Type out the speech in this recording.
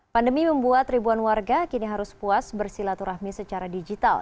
pandemi membuat ribuan warga kini harus puas bersilaturahmi secara digital